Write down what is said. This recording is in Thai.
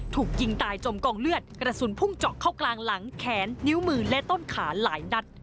ถูกยิงตายจมกองเลือดกระสุนพุ่งเจาะเข้ากลางหลังแขนนิ้วมือและต้นขาหลายนัด